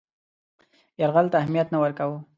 یرغل ته اهمیت نه ورکاوه.